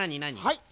はい。